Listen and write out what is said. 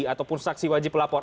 ataupun saksi wajib pelapor